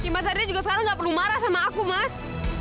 mas adri juga sekarang nggak perlu marah sama aku mas